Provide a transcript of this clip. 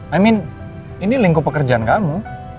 i mean ini lingkup pekerjaan kamu